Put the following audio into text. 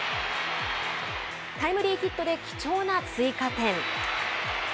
タイムリーヒットで貴重な追加点。